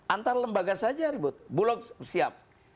antar lembaga saja ribut bulog siap